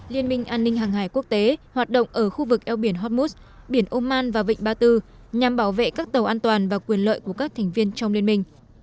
liên minh an ninh hàng hải quốc tế hoạt động ở khu vực eo biển homuz biển oman và vịnh ba tư nhằm bảo vệ các tàu an toàn và quyền lợi của các thành viên trong liên minh